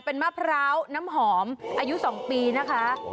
เป็นมะพร้าวน้ำหอมอายุ๒ปีนะคะ